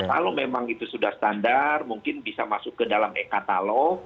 kalau memang itu sudah standar mungkin bisa masuk ke dalam e katalog